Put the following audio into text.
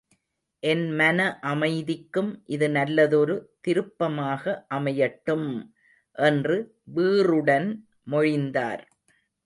என் மன அமைதிக்கும் இது நல்லதொரு திருப்பமாக அமையட்டும்! என்று வீறுடன் மொழிந்தார்.